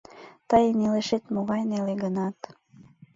Тыйын илышет могай неле гынат